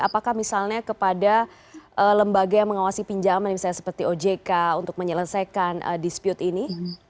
apakah misalnya kepada lembaga yang mengawasi pinjaman misalnya seperti ojk untuk menyelesaikan dispute ini